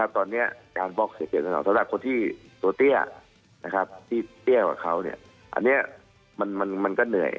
สำหรับคนที่ตัวเตี้ยเตี้ยกับเขาอันนี้มันก็เหนื่อย